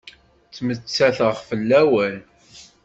Ttmettateɣ fell-awen.